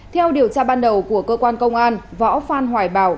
theo điều tra ban đầu của cơ quan công an võ phan hoài bảo